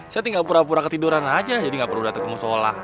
saya tinggal pura pura ketiduran aja jadi gak perlu datang ke musola